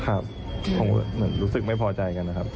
คงเหมือนรู้สึกไม่พอใจกันนะครับ